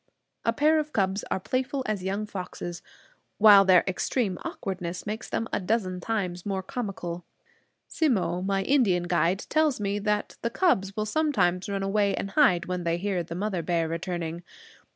A pair of cubs are playful as young foxes, while their extreme awkwardness makes them a dozen times more comical. Simmo, my Indian guide, tells me that the cubs will sometimes run away and hide when they hear the mother bear returning.